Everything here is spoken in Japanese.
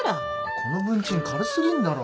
この文鎮軽すぎんだろ。